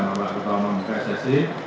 mbak ketua umang ssi